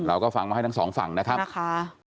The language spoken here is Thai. เราก็ฟังมาให้ทั้งสองฝั่งนะครับนะคะ